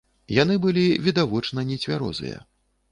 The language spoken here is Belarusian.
Яны былі відавочна нецвярозыя.